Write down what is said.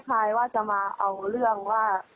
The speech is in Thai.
คลายว่าจะมาเอาเรื่องว่า